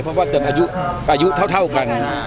เพราะว่าจนอายุเท่ากัน